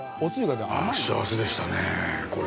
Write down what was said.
幸せでしたね、これ。